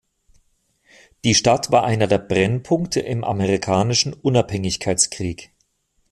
Die Stadt war einer der Brennpunkte im Amerikanischen Unabhängigkeitskrieg.